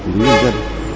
những nhân dân